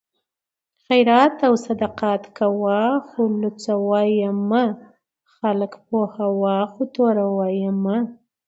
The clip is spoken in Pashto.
خیرات او صدقات کوه خو لوڅوه یې مه؛ خلک پوهوه خو توروه یې مه